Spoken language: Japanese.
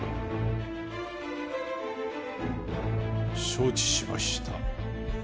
承知しました。